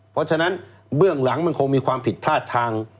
เพราะฉะนั้นเบื้องหลังมันคงมีความผิดพลาดทาง